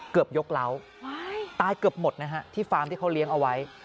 เกือบยกเล้าตายเกือบหมดนะฮะที่ฟาร์มที่เขาเลี้ยงเอาไว้